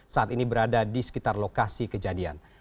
saat ini berada di sekitar lokasi kejadian